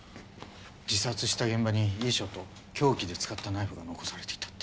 自殺した現場に遺書と凶器で使ったナイフが残されていたって。